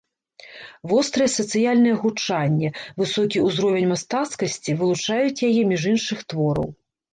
Вострае сацыяльнае гучанне, высокі ўзровень мастацкасці вылучаюць яе між іншых твораў.